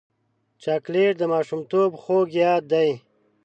چاکلېټ د ماشومتوب خوږ یاد دی.